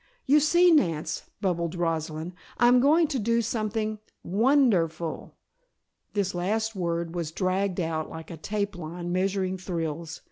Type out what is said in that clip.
"You see, Nance," bubbled Rosalind, "I'm going to do something won der ful!" This last word was dragged out like a tape line measuring thrills.